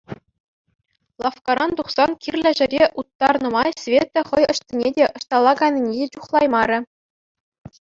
Лавккаран тухсан кирлӗ ҫӗре уттарнӑ май Света хӑй ӑҫтине те, ӑҫталла кайнине те чухлаймарӗ.